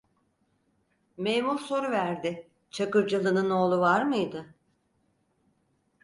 Memur soruverdi: "Çakırcalı’nın oğlu var mıydı?"